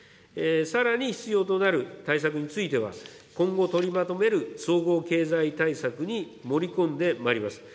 さらに必要となる対策については、今後取りまとめる総合経済対策に盛り込んでまいります。